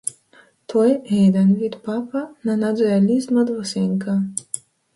Тој е еден вид папа на надреализмот во сенка.